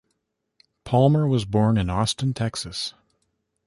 Palmer was born in Austin, Texas.